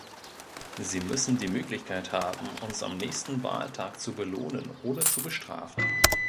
Sie müssen die Möglichkeit haben, uns am nächsten Wahltag zu belohnen oder zu bestrafen.